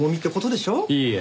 いいえ。